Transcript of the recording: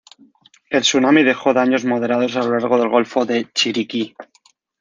El tsunami dejó daños moderados a lo largo del golfo de Chiriquí.